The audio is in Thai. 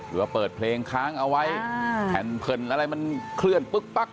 ว่าเปิดเพลงค้างเอาไว้แผ่นเผินอะไรมันเคลื่อนปึ๊กปั๊ก